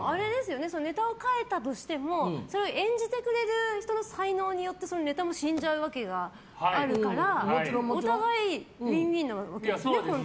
ネタを書いたとしても、それを演じてくれる人の才能によってネタも死んじゃうわけがあるからお互いウィンウィンなわけですよね。